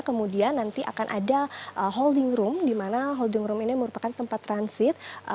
kemudian nanti akan ada holding room di mana holding room ini merupakan tempat transit